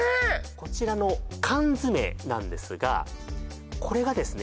こちらの缶詰なんですがこれがですね